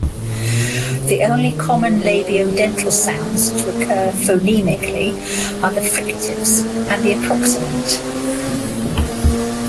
The only common labiodental sounds to occur phonemically are the fricatives and the approximant.